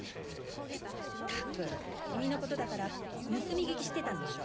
ったく君のことだから盗み聞きしてたんでしょ？